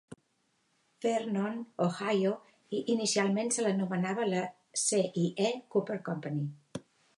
Vernon, Ohio, i inicialment se l'anomenava la C i E Cooper Company.